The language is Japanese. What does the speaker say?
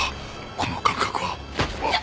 この感覚はあっ！